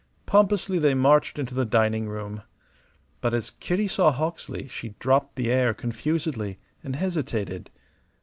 Pompously they marched into the dining room. But as Kitty saw Hawksley she dropped the air confusedly, and hesitated.